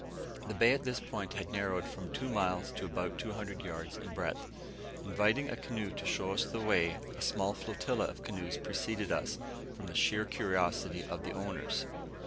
The bay at this point had narrowed from two miles to about 200 yards in breadth. Inviting a canoe to show us the way, a small flotilla of canoes preceded us, from the sheer curiosity of their owners.